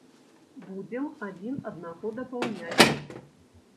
Будзем адзін аднаго дапаўняць.